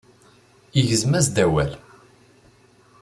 Igzem-as-d awal.